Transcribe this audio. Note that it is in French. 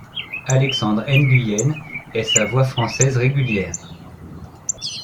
Alexandre Nguyen est sa voix française régulière.